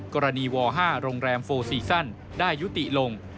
กรณีวัล๕โรงแรม๔ซีซั่นได้ยุติลง